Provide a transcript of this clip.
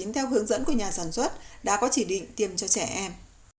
theo hướng dẫn của nhà sản xuất đã có chỉ định tiêm cho trẻ em